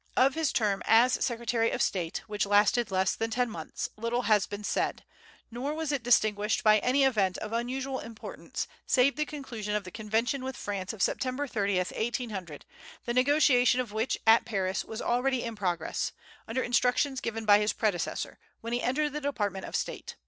Of his term as Secretary of State, which lasted less than ten months, little has been said; nor was it distinguished by any event of unusual importance, save the conclusion of the convention with France of Sept. 30, 1800, the negotiation of which, at Paris, was already in progress, under instructions given by his predecessor, when he entered the Department of State.